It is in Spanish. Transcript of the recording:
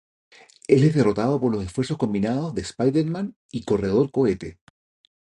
Él es derrotado por los esfuerzos combinados de Spider-Man y Corredor Cohete.